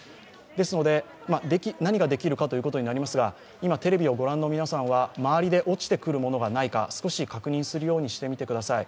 ですので、何ができるのかということになりますが今テレビをご覧の皆さんは、周りで落ちてくるものがないか、少し確認するようにしてみてください。